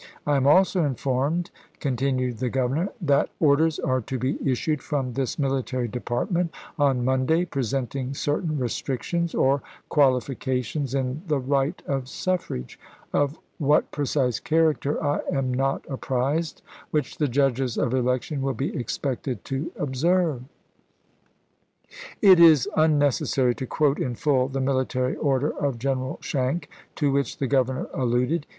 I am also informed," continued the Governor, "that orders are to be issued from this military depart ment, on Monday, presenting certain restrictions, or qualifications in the right of suffrage, — of what ^LiSn,*" precise character I am not apprised, — which the ^ MS. ■ judges of election will be expected to observe." It is unnecessary to quote in full the military order of General Schenck to which the Governor alluded.